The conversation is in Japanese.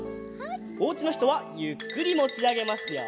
おうちのひとはゆっくりもちあげますよ。